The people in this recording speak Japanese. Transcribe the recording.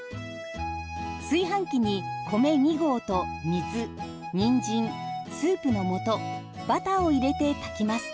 炊飯器に米２合と水にんじんスープの素バターを入れて炊きます。